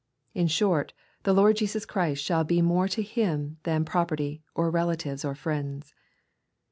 In short, the Lord Jesus Christ shall be more to him than property, or relatives, or friends.